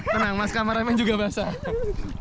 tenang mas kameramen juga basah